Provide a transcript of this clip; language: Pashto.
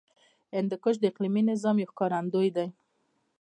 هندوکش د اقلیمي نظام یو ښکارندوی دی.